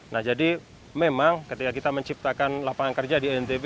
nah jadi memang ketika kita menciptakan lapangan kerja di ntb